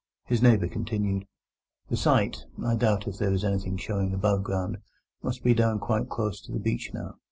His neighbour continued: "The site—I doubt if there is anything showing above ground—must be down quite close to the beach now.